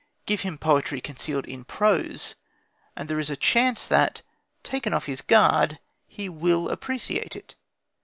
Give him poetry concealed in prose and there is a chance that, taken off his guard, he will appreciate it.